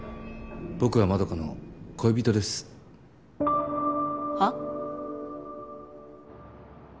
僕はまどかの恋人です。はあ？